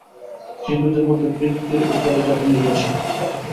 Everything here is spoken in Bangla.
হিন্দুদের মধ্যে বৃত্তির উপরই জাতি নির্ভরশীল।